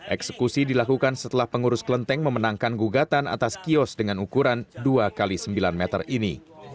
eksekusi dilakukan setelah pengurus kelenteng memenangkan gugatan atas kios dengan ukuran dua x sembilan meter ini